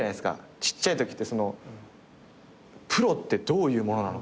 ちっちゃいときってプロってどういうものなのか。